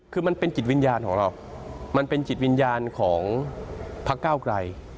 คือมันเป็นจิตวิญญาณของเรามันเป็นจิตวิญญาณของพักเก้าไกล